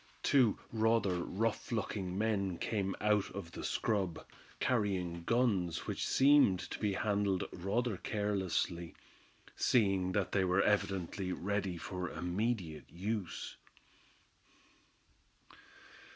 Two rather rough looking men came out of the scrub, carrying guns which seemed to be handled rather carelessly, seeing that they were evidently ready for immediate use.